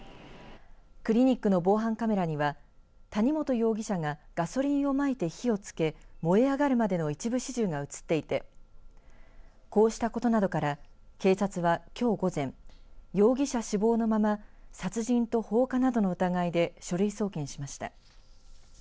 クリニックの防犯カメラには谷本容疑者がガソリンをまいて火をつけ燃え上がるまでの一部始終が写っていてこうしたことなどから、警察はきょう午前、容疑者死亡のまま殺人と放火などの疑いで書類送検しました。